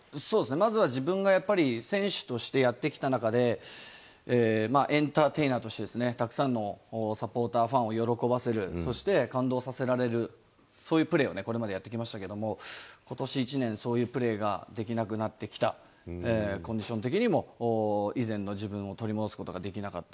まずは自分がやっぱり、選手としてやってきた中で、エンターテイナーとして、たくさんのサポーター、ファンを喜ばせる、そして感動させられる、そういうプレーをね、これまでやってきましたけれども、ことし一年、そういうプレーができなくなってきた、コンディション的にも以前の自分を取り戻すことができなかった。